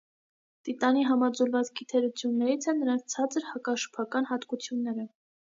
Տիտանի համաձուլվածքի թերություններից են նրանց ցածր հակաշփական հատկությունները։